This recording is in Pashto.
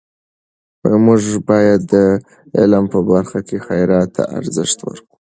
موږ باید د علم په برخه کې خیرات ته ارزښت ورکړو.